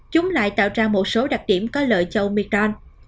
chúng lại tạo ra một số đặc điểm có lợi cho omicron